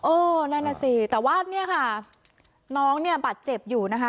นั่นน่ะสิแต่ว่าเนี่ยค่ะน้องเนี่ยบาดเจ็บอยู่นะคะ